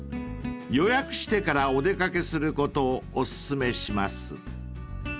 ［予約してからお出掛けすることをお薦めします］